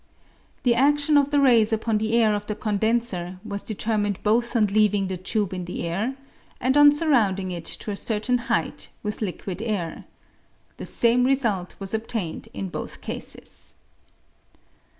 The adion of the rays upon the air of the condenser was determined both on leaving the tube in the air and on sur rounding it to a certain height with liquid air. The same result was obtained in both cases.